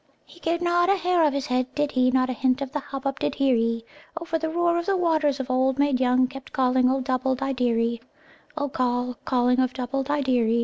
"He cared not a hair of his head did he, Not a hint of the hubbub did hear he, O, For the roar of the waters of 'Old Made Young' Kept calling of Dubbuldideery, O, Call calling of Dubbuldideery.